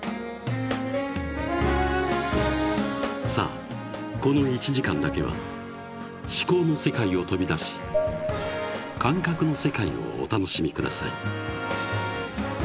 ［さあこの１時間だけは思考の世界を飛び出し感覚の世界をお楽しみください］